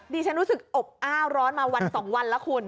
ฉันรู้สึกอบอ้าวร้อนมาวัน๒วันแล้วคุณ